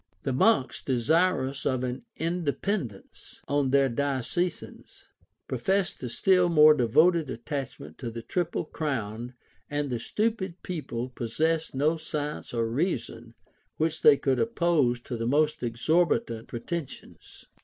The monks, desirous of an independence on their diocesans, professed a still more devoted attachment to the triple crown; and the stupid people possessed no science or reason which they could oppose to the most exorbitant pretensions.